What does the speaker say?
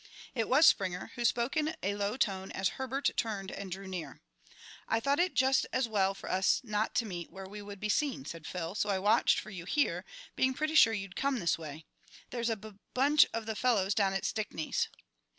It was Springer, who spoke in a low tone as Herbert turned and drew near. "I thought it just as well for us not to meet where we would be seen," said Phil, "so I watched for you here, being pretty sure you'd come this way. There's a bub bunch of the fellows down at Stickney's."